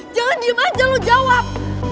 jangan diem aja lo jawab